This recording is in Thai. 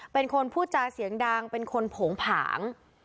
เป็นคนพูดจาเสียงดังเป็นคนโผงผาง